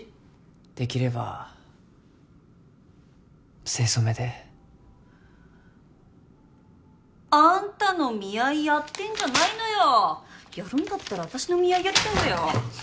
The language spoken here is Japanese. できれば清楚めであんたの見合いやってんじゃないのよやるんだったら私の見合いやりたいわよ